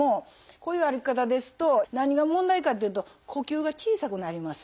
こういう歩き方ですと何が問題かっていうと呼吸が小さくなります。